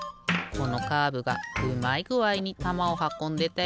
このカーブがうまいぐあいにたまをはこんでたよね。